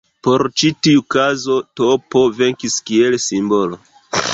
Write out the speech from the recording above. Por ĉi tiu kazo tP venkis kiel simbolo.